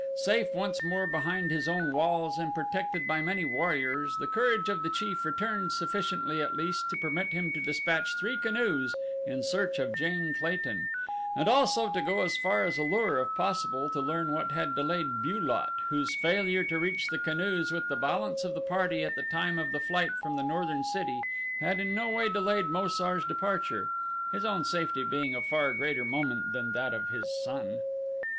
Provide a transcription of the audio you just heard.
Safe once more behind his own walls and protected by many warriors, the courage of the chief returned sufficiently at least to permit him to dispatch three canoes in search of Jane Clayton, and also to go as far as A lur if possible to learn what had delayed Bu lot, whose failure to reach the canoes with the balance of the party at the time of the flight from the northern city had in no way delayed Mo sar's departure, his own safety being of far greater moment than that of his son.